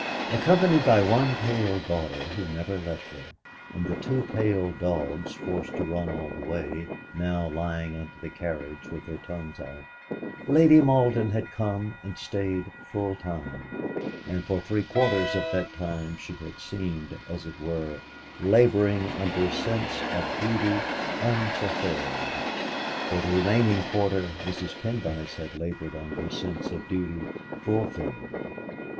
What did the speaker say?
Accompanied by one pale daughter who never left her, and two pale dogs forced to run all the way, now lying under the carriage with their tongues out, Lady Malden had come and stayed full time; and for three quarters of that time she had seemed, as it were, labouring under a sense of duty unfulfilled; for the remaining quarter Mrs. Pendyce had laboured under a sense of duty fulfilled.